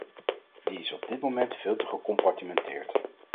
Die is op dit moment veel te gecompartimeneerd.